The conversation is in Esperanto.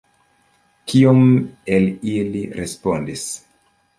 Kiom el ili respondis?